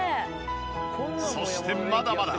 そしてまだまだ。